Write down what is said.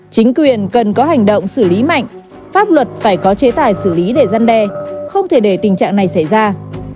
chính quyền cần có hành động xử lý mạnh pháp luật phải có chế tài xử lý để gian đe không thể để tình trạng này xảy ra